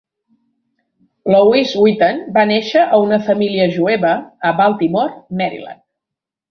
Louis Witten va néixer a una família jueva a Baltimore, Maryland.